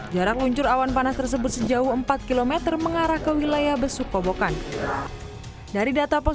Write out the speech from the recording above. jarak luncur awan panas tersebut sejauh empat km mengarah ke wilayah besukobokan dari data pos